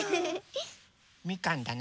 みかんだな。